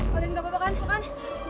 kalian gak apa apa kan